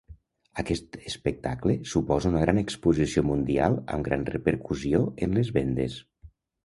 Aquest espectacle suposa una gran exposició mundial amb gran repercussió en les vendes.